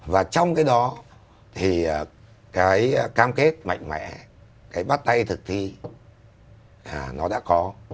và trong cái đó thì cái cam kết mạnh mẽ cái bắt tay thực thi là nó đã có